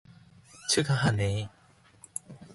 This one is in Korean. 축하하네.